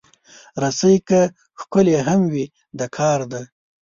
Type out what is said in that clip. رسۍ که ښکلې هم وي، د کار ده.